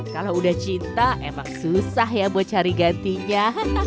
kalau udah cinta emang susah ya buat cari gantinya